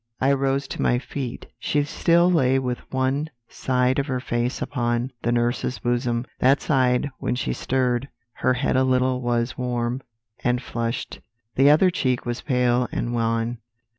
I arose to my feet; she still lay with one side of her face upon the nurse's bosom that side, when she stirred her head a little, was warm and flushed; the other cheek was pale and wan.